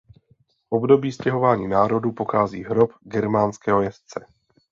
Z období stěhování národů pochází hrob germánského jezdce.